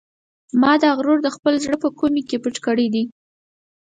ما دا غرور د خپل زړه په کومې کې پټ کړی دی.